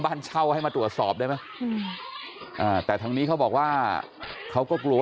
บ้านเช่าให้มาตรวจสอบได้ไหมแต่ทางนี้เขาบอกว่าเขาก็กลัว